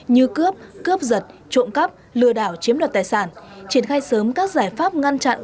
như cướp cướp giật trộm cắp lừa đảo chiếm đoạt tài sản triển khai sớm các giải pháp ngăn chặn